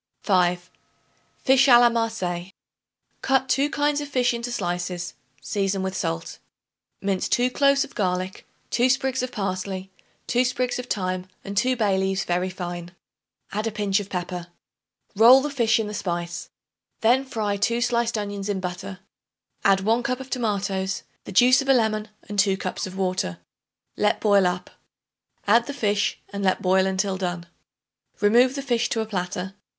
5. Fish a la Marseilles. Cut two kinds of fish into slices; season with salt. Mince 2 cloves of garlic, 2 sprigs of parsley, 2 sprigs of thyme and 2 bay leaves very fine. Add a pinch of pepper. Roll the fish in the spice. Then fry 2 sliced onions in butter; add 1 cup of tomatoes, the juice of a lemon and 2 cups of water. Let boil up. Add the fish and let boil until done. Remove the fish to a platter.